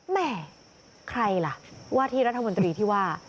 แม่ใครล่ะว่าที่รัฐมนตรีที่ว่า